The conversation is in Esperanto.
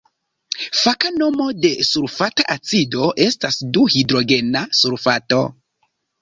Faka nomo de sulfata acido estas du-hidrogena sulfato.